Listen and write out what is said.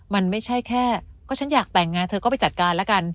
มันไม่ใช่แค่ก็ฉันอยากแต่งงานเธอก็ไปจัดการแล้วกัน